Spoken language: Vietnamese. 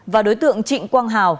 và đối tượng trịnh quang hào